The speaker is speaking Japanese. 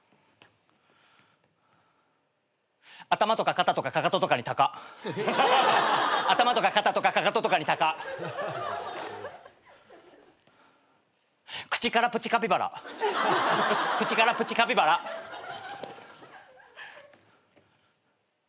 「頭とか肩とかかかととかにタカ」「頭とか肩とかかかととかにタカ」「口からプチカピバラ」「口からプチカピバラ」「ハムかむ